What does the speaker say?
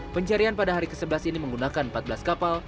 pencarian pada hari ke sebelas ini menggunakan empat belas kapal